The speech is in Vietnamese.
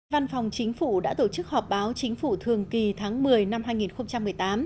văn phòng chính phủ đã tổ chức họp báo chính phủ thường kỳ tháng một mươi năm hai nghìn một mươi tám